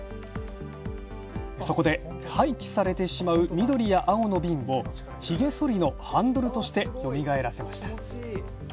そこで廃棄されてしまう緑や青の瓶を髭剃りのハンドルとして、よみがえらせました。